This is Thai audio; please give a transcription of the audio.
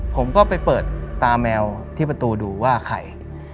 ผมก็ไปเปิดตาแมวที่ประตูดูว่าใคร